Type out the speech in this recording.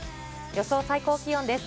予想最高気温です。